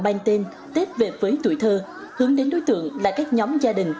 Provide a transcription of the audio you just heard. mang tên tết về với tuổi thơ hướng đến đối tượng là các nhóm gia đình